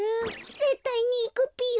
ぜったいにいくぴよ。